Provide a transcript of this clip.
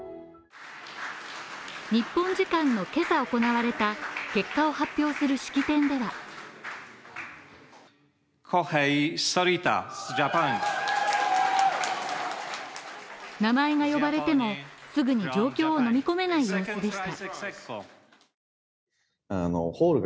日本時間の今朝行われた結果を発表する式典では名前が呼ばれてもすぐに状況を飲み込めない様子でした。